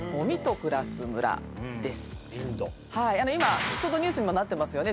今、ちょうどニュースにもなっていますよね。